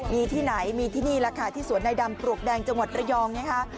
มีที่ไหนมีที่นี่และค่ะสวนในดำกรุกแดงจังหวัดระยองเนี่ยค่ะ